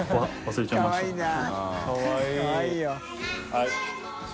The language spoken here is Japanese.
はい。